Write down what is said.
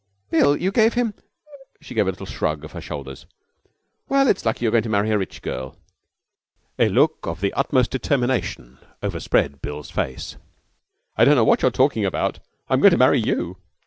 'Bill! You gave him ' She gave a little shrug of her shoulders. 'Well, it's lucky you're going to marry a rich girl.' A look of the utmost determination overspread Bill's face. 'I don't know what you're talking about. I'm going to marry you.